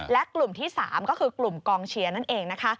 และกลุ่มที่๓ก็คือกลุ่มกองเชียร์นั่นเองนะคะ